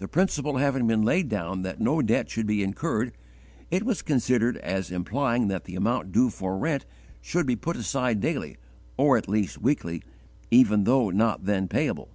The principle having been laid down that no debt should be incurred, it was considered as implying that the amount due for rent should be put aside daily, or at least weekly, even though not then payable.